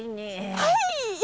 はい！